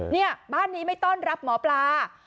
เนี่ยบ้านนี้ไม่ต้อนรับหมอปลา